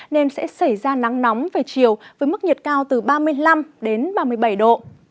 nên sẽ xảy ra nắng nóng về chiều với mức nhiệt cao từ ba mươi năm đến ba mươi bảy độ